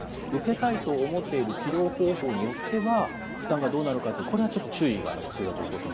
受けたいと思っている治療方法によっては負担がどうなるかってこれはちょっと注意が必要だという。